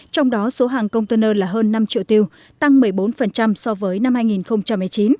trong đó số hàng container là hơn năm triệu tiêu tăng một mươi bốn so với năm hai nghìn một mươi chín